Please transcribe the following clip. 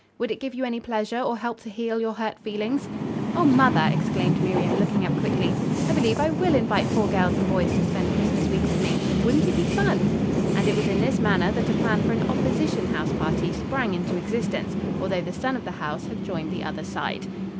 "Would it give you any pleasure or help to heal your hurt feelings?" "O mother!" exclaimed Miriam, looking up quickly. "I believe I will invite four girls and boys to spend Christmas week with me. Wouldn't it be fun?" And it was in this manner that a plan for an opposition house party sprang into existence; although the son of the house had joined the other side.